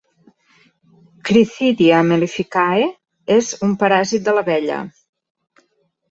"Crithidia mellificae", és un paràsit de l'abella.